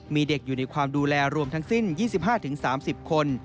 มีเด็กอยู่ในความดูแลรวมทั้งสิ้น๒๕๓๐คน